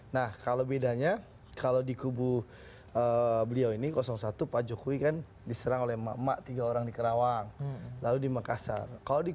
nah kalau bedanya kalau di kubu beliau ini satu pak jokowi kan diserang oleh emak emak tiga orang di kerawang lalu di makassar